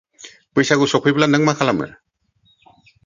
बैसागु सफैब्ला नों मा खालामो?